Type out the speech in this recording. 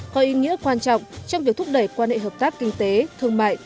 có ý nghĩa quan trọng trong việc thúc đẩy quan hệ hợp tác kinh tế thương mại